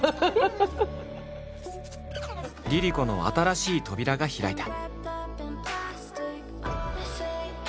ＬｉＬｉＣｏの新しい扉が開いた。